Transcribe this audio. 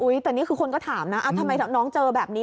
แต่นี่คือคนก็ถามนะทำไมน้องเจอแบบนี้